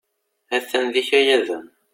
A-t-an d ikayaden.